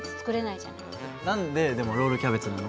何ででもロールキャベツなの？